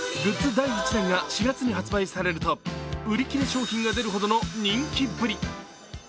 第１弾が４月に発売されると、売り切れ商品が出るほどの人気っぷり。